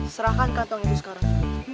serahkan kantong itu sekarang